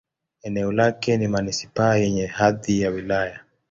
Eneo lake ni manisipaa yenye hadhi ya wilaya.